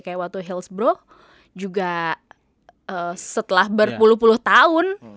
kayak waktu hillsborough juga setelah berpuluh puluh tahun